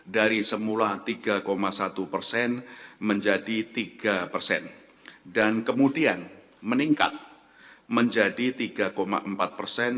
dari semula tiga satu persen menjadi tiga persen dan kemudian meningkat menjadi tiga empat persen